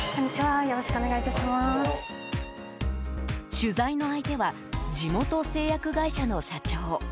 取材の相手は地元製薬会社の社長。